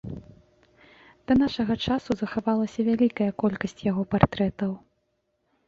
Да нашага часу захавалася вялікая колькасць яго партрэтаў.